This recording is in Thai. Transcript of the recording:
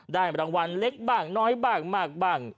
รางวัลเล็กบ้างน้อยบ้างมากบ้าง